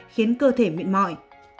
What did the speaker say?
khiến cơ thể miệng mỏi